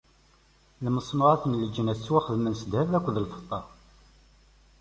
Lmeṣnuɛat n leǧnas ttwaxedmen s ddheb akked lfeṭṭa.